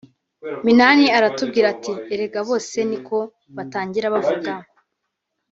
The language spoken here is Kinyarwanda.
Minani aramubwira ati “ Erega bose niko batangira bavuga